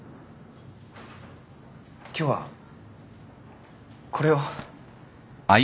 今日はこれを。